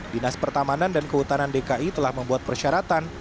dinas pertamanan dan kehutanan dki telah membuat persyaratan